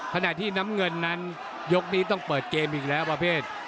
ขณะที่น้ำเงินนั้นยกนี้ต้องเปิดเกมอีกแล้วประเภท